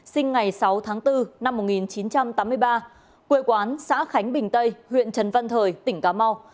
sinh ngày sáu tháng bốn năm một nghìn chín trăm tám mươi ba quê quán xã khánh bình tây huyện trần văn thời tỉnh cà mau